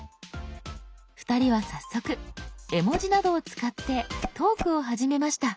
２人は早速絵文字などを使ってトークを始めました。